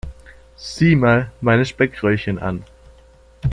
Sieh mal meine Speckröllchen an.